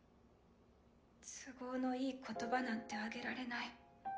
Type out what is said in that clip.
・都合のいい言葉なんてあげられない。